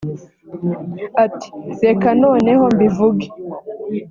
ati “Reka noneho mbivuge